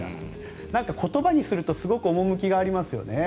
言葉にするとすごく趣がありますよね。